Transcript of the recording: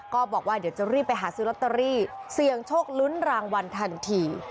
ก็บอกว่าเดี๋ยวจะรีบไปหาซื้อลอตเตอรี่เสี่ยงโชคลุ้นรางวัลทันที